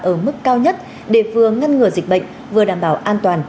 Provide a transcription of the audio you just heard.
ở mức cao nhất để vừa ngăn ngừa dịch bệnh vừa đảm bảo an toàn